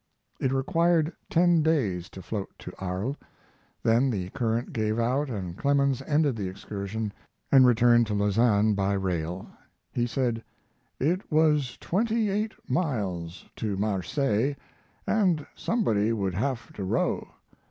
It required ten days to float to Arles. Then the current gave out and Clemens ended the excursion and returned to Lausanne by rail. He said: "It was twenty eight miles to Marseilles, and somebody would have to row.